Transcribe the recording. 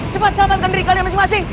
cepat selamatkan diri kalian masing masing